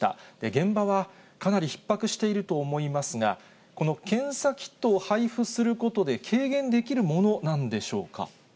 現場はかなりひっ迫していると思いますが、この検査キットを配布することで軽減できるものなんでしょうか。